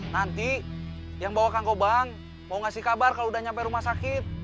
nanti yang bawa kang kobang mau ngasih kabar kalau udah nyampe rumah sakit